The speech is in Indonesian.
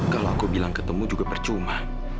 kalau aku bilang ketemu juga percuma